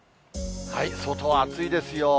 外は暑いですよ。